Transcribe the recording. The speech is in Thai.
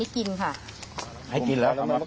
ใช่ค่ะ